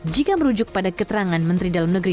jika merujuk pada keterangan menteri dalam negeri